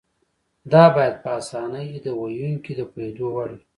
دا باید په اسانۍ د ویونکي د پوهېدو وړ وي.